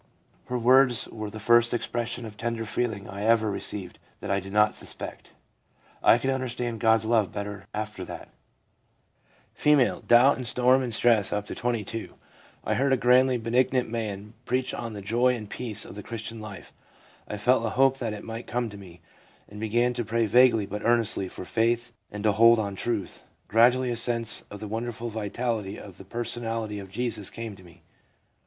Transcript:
Her words were the first expression of tender feeling I ever received that I did not suspect. I could understand God's love better after that.' F. (Doubt and storm and stress up to 22.) ' I heard a grandly benignant man preach on the joy and peace of the Christian life. I felt a hope that it might come to me, and began to pray vaguely but earnestly for faith and a hold on truth. Gradually a sense of the wonderful vitality of the personality of Jesus came to me.